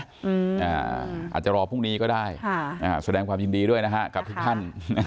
อาจจะรอพรุ่งนี้ก็ได้แสดงความยินดีด้วยนะฮะกับทุกท่าน